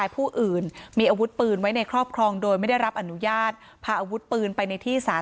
พระพระน่ะ